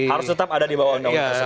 harus tetap ada di bawah undang undang